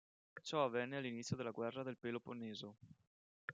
Ciò avvenne all'inizio della Guerra del Peloponneso.